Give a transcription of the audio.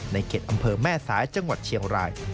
เขตอำเภอแม่สายจังหวัดเชียงราย